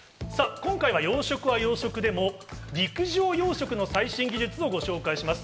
今回は、養殖は養殖でも陸上養殖の最新技術をご紹介します。